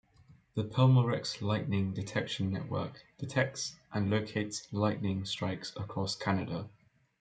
The Pelmorex Lightning Detection Network detects and locates lightning strikes across Canada.